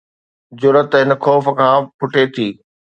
جرئت هن خوف کان ڦٽي ٿي.